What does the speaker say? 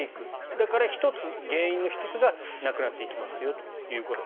だから原因の１つがなくなっていきますよと。